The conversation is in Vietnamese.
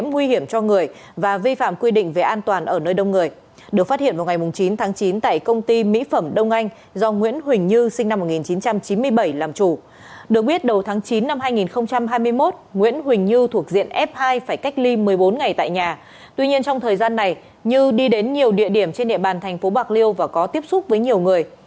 tuy nhiên trong thời gian này như đi đến nhiều địa điểm trên địa bàn thành phố bạc liêu và có tiếp xúc với nhiều người